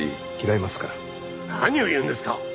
何を言うんですか！